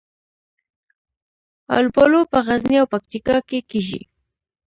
الوبالو په غزني او پکتیکا کې کیږي